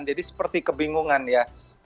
jadi seperti kebingungan ya